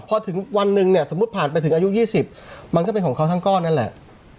พอถึงวันหนึ่งเนี่ยสมมุติผ่านไปถึงอายุ๒๐มันก็เป็นของเขาทั้งก้อนนั่นแหละ